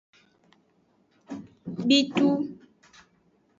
Bitu.